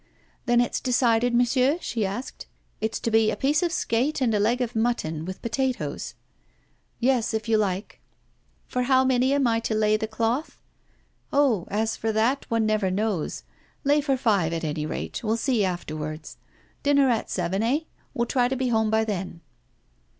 'Then it's decided, monsieur?' she asked. 'It's to be a piece of skate and a leg of mutton, with potatoes.' 'Yes, if you like.' 'For how many am I to lay the cloth?' 'Oh! as for that, one never knows. Lay for five, at any rate; we'll see afterwards. Dinner at seven, eh? we'll try to be home by then.